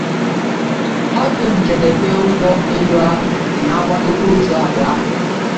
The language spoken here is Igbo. Ọdụ njedebe ụgbọ elụ ahụ dị n'agbata okporo ụzọ abụọ ahụ.